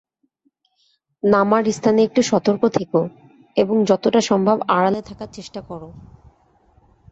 নামার স্থানে একটু সতর্ক থেকো, এবং যতটা সম্ভব আড়ালে থাকার চেষ্টা করো।